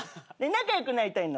仲良くなりたいの？